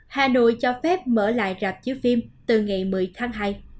hà nội cho phép mở lại rạp chiếu phim từ ngày một mươi tháng hai